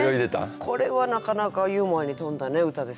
これはなかなかユーモアに富んだ歌ですね。